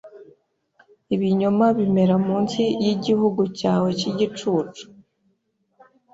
ibinyoma bimera munsi yigihugu cyawe cyigicucu